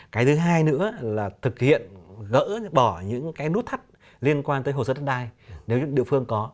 cái thứ hai nữa là thực hiện gỡ bỏ những cái nút thắt liên quan tới hồ sơ đất đai nếu địa phương có